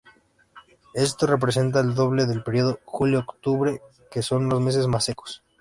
Esto representa el doble del período julio-octubre, que son los meses más secos.